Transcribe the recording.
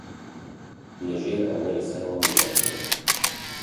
Li jêr em ê li ser wan bisekinin.